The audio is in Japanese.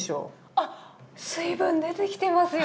あっ水分出てきてますよ。